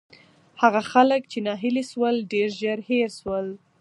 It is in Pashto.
هغه خلک چې ناهیلي شول، ډېر ژر هېر شول.